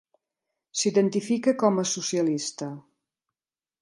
S'identifica com a socialista.